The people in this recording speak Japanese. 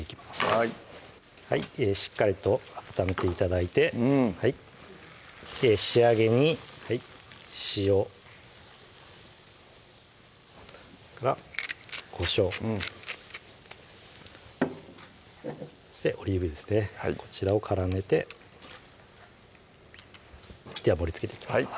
はいしっかりと温めて頂いて仕上げに塩それからこしょううんそしてオリーブ油ですねこちらを絡めてでは盛りつけていきます